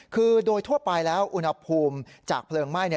คือโดยทั่วไปแล้วอุณหภูมิจากเพลิงไหม้